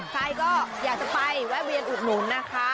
ใครก็อยากจะไปแวะเวียนอุดหนุนนะคะ